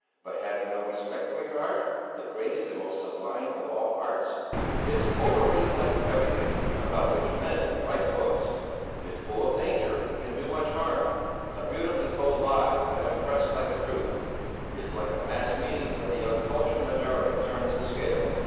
"But have you no respect for your art, the greatest and most sublime of all arts?" "It's overrated like everything about which men write books. It's full of danger and can do much harm! A beautifully told lie can impress like a truth! It's like a mass meeting where the uncultured majority turns the scale.